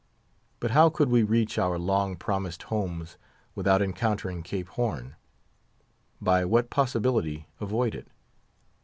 But how could we reach our long promised homes without encountering Cape Horn? by what possibility avoid it?